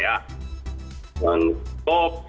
jangan pake kata pria